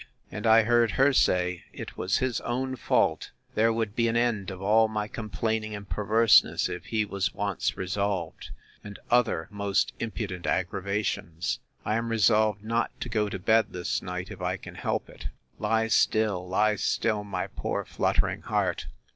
And I heard her say, It was his own fault; there would be an end of all my complaining and perverseness, if he was once resolved; and other most impudent aggravations. I am resolved not to go to bed this night, if I can help it!—Lie still, lie still, my poor fluttering heart!